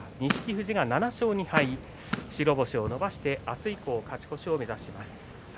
富士は７勝２敗と白星を伸ばして明日以降の勝ち越しを目指します。